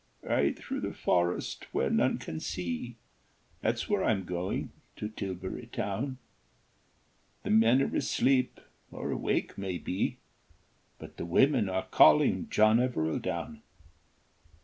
"Right through the forest, where none can see, There's where I'm going, to Tilbury Town. The men are asleep, or awake, may be, But the women are calling John Evereldown.